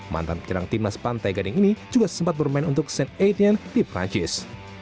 mantan penyerang timnas pantai gading ini juga sempat bermain untuk st etienne di prancis